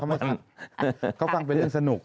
แต่ได้ยินจากคนอื่นแต่ได้ยินจากคนอื่น